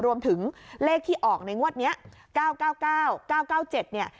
รวมถึงเลขที่ออกในงวดนี้๙๙๙๙๙๗